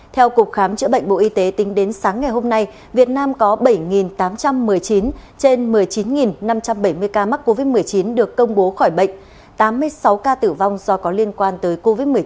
theo cục khám chữa bệnh bộ y tế tính đến sáng ngày hôm nay việt nam có bảy tám trăm một mươi chín trên một mươi chín năm trăm bảy mươi ca mắc covid một mươi chín được công bố khỏi bệnh tám mươi sáu ca tử vong do có liên quan tới covid một mươi chín